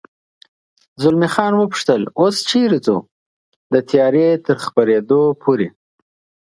زلمی خان و پوښتل: اوس چېرې ځو؟ د تیارې تر خپرېدو پورې.